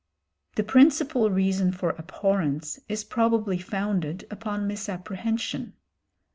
The principal reason for abhorrence is probably founded upon misapprehension.